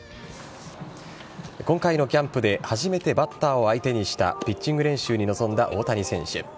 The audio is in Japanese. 今回のキャンプで初めてバッターを相手にしたピッチング練習に臨んだ大谷選手。